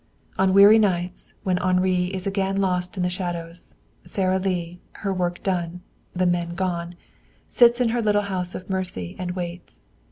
On weary nights, when Henri is again lost in the shadows, Sara Lee, her work done, the men gone, sits in her little house of mercy and waits.